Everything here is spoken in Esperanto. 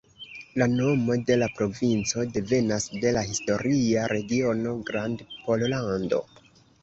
La nomo de la provinco devenas de la historia regiono Grandpollando.